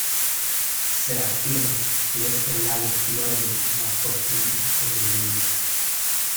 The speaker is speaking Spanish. Se afirma que es el lago fiordo más profundo en el mundo.